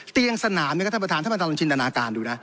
เตียงสนามเนี่ยท่านประธานท่านประฏนชนินตนาการดูนะ